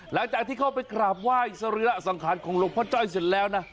หลังจากที่เข้าไปกราบไหว้สรีระสังขารของหลวงพ่อจ้อยเสร็จแล้วนะ